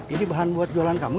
ini bahan buat jualan kamu